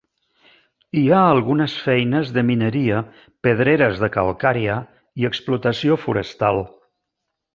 Hi ha algunes feines de mineria, pedreres de calcària i explotació forestal.